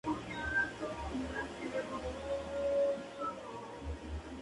Un especialista en penales que se dio el lujo de marcar quince consecutivos.